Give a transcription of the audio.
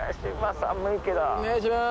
お願いします。